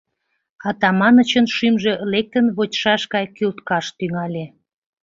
Атаманычын шӱмжӧ лектын вочшаш гай кӱлткаш тӱҥале.